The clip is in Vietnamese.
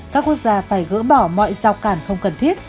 các quốc gia phải gỡ bỏ mọi giao cản không cần thiết